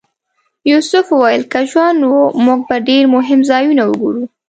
یوسف وویل که ژوند و موږ به ډېر مهم ځایونه وګورو.